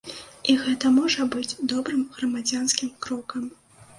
І гэта можа быць добрым грамадзянскім крокам.